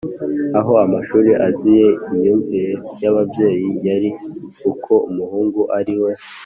aho amashuri aziye, imyumvire y’ababyeyi yari uko umuhungu ari we